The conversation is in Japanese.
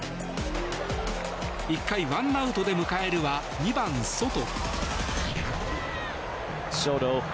１回、１アウトで迎えるは２番、ソト。